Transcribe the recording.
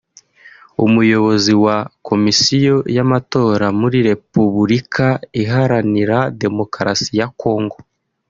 Umuyobozi wa Komisiyo y’amatora muri Repubulika Iharanira Demokarasi ya Congo